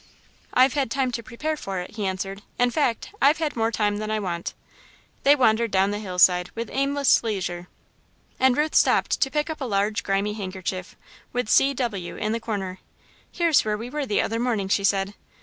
"I've had time to prepare for it," he answered, "in fact, I've had more time than I want." They wandered down the hillside with aimless leisure, and Ruth stooped to pick up a large, grimy handkerchief, with "C. W." in the corner. "Here's where we were the other morning," she said.